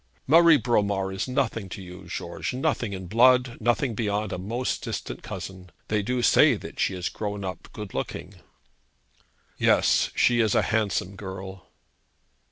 'Marie Bromar is nothing to you, George; nothing in blood; nothing beyond a most distant cousin. They do say that she has grown up good looking.' 'Yes; she is a handsome girl.'